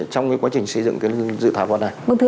trong quá trình xây dựng dự thảo luật này